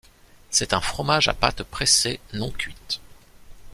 C'est un fromage à pâte pressée non cuite.